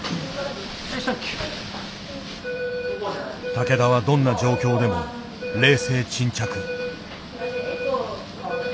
竹田はどんな状況でも冷静沈着。